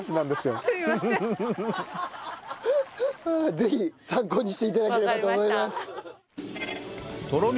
ぜひ参考にして頂ければと思います。